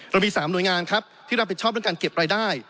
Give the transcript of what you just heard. เรามี๓หน่วยงานครับที่รับผิดชอบเรื่องการเก็บรายได้